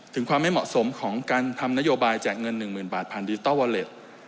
ถึงความไม่เหมาะสมของการทำนโยบายแจกเงิน๑๐๐๐บาทผ่านดิจิทัลวอเล็ต